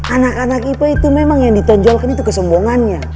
anak anak ipe itu memang yang ditonjolkan itu kesombongannya